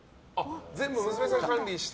全部、娘さんが管理して。